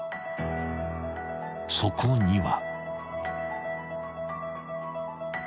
［そこには］